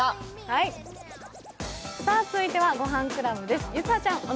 続いては「ごはんクラブ」です。